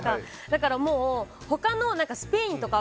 だから、他のスペインとか